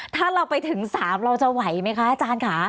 ถ้าเราไปถึง๓เราจะไหวไหมคะอาจารย์ค่ะ